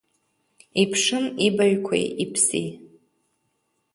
Иԥшын ибаҩқәеи иԥси.